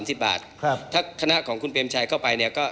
มีการที่จะพยายามติดศิลป์บ่นเจ้าพระงานนะครับ